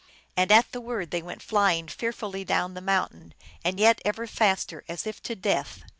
And at the word they went flying fearfully down the mountain, and yet ever faster, as if to death.